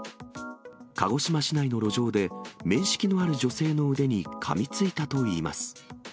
鹿児島市内の路上で、面識のある女性の腕にかみついたといいます。